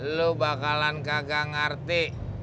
lo bakalan kagak ngerti